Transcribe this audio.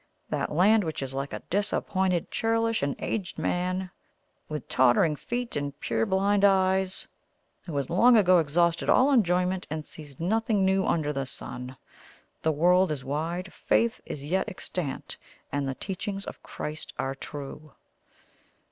that land which is like a disappointed, churlish, and aged man with tottering feet and purblind eyes, who has long ago exhausted all enjoyment and sees nothing new under the sun. The world is wide faith is yet extant and the teachings of Christ are true.